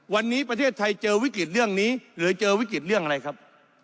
วันนี้ประเทศไทยเจอวิกฤตเรื่องนี้หรือเจอวิกฤตเรื่องอะไรครับ